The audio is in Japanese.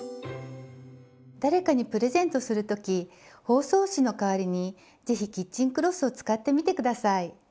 誰かにプレゼントする時包装紙の代わりに是非キッチンクロスを使ってみて下さい。